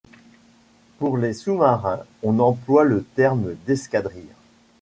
Pour les sous-marins, on emploie le terme d'escadrille.